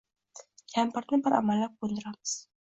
Kampirni bir amallab ko‘ndiramiz.